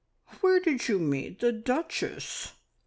"Where did you meet the Duchess?"